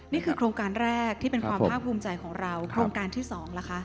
นี่คือโครงการแรกที่เป็นความภาคภูมิใจของเราโครงการที่๒ล่ะคะ